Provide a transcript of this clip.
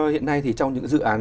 hiện nay trong những dự án